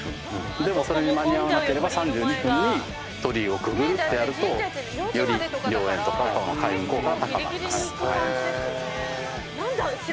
でもそれに間に合わなければ３２分に鳥居をくぐるってやるとより良縁とか開運効果が高まります。